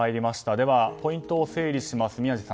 では、ポイントを整理します。